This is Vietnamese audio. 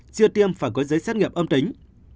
chia tiêm phải có giấy xét nghiệp âm tính